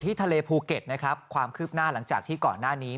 ทะเลภูเก็ตนะครับความคืบหน้าหลังจากที่ก่อนหน้านี้